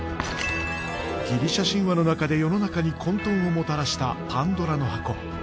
ギリシア神話の中で世の中に混とんをもたらしたパンドラの箱。